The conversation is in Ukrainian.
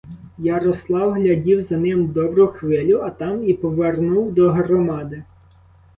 Ярослав глядів за ним добру хвилю, а там і повернув до громади.